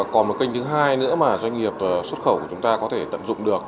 còn một kênh thứ hai nữa mà doanh nghiệp xuất khẩu của chúng ta có thể tận dụng được